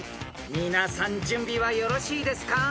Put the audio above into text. ［皆さん準備はよろしいですか？］